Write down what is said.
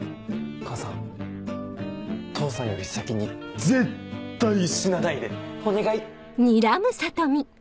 母さん父さんより先に絶対死なないでお願い！